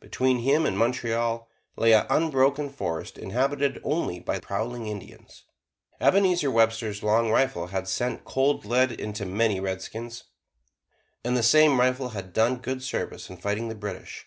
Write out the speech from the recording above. Between him and Montreal lay an unbroken forest inhabited only by prowling Indians. Ebenezer Webster's long rifle had sent cold lead into many a redskin; and the same rifle had done good service in fighting the British.